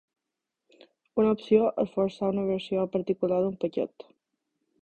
Una opció és forçar una versió particular d'un paquet.